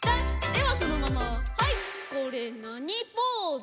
ではそのままはいこれなにポーズ？